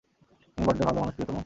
তুমি বড্ড ভালো মানুষ, প্রিয়তম!